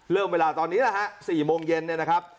เวลาตอนนี้แหละฮะ๔โมงเย็นเนี่ยนะครับ